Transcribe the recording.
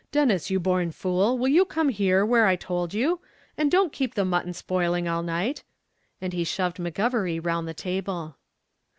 "Denis, you born fool, will you come here, where I told you? and don't keep the mutton spoiling all night;" and he shoved McGovery round the table.